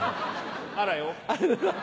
アラよ。